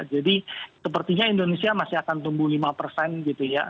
jadi sepertinya indonesia masih akan tumbuh lima gitu ya